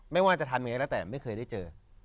ไม่ว่าจะทำยังไงแล้วแต่ไม่เคยได้เจอ